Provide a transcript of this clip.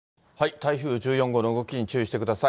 台風１４号の動きに注意してください。